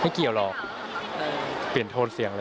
ไม่เกี่ยวหรอกเปลี่ยนโทรศีลเสียงเลย